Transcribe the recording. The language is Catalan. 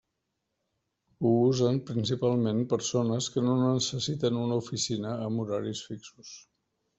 Ho usen principalment persones que no necessiten una oficina amb horaris fixos.